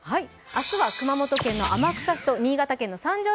明日は熊本県の天草市と新潟県の三条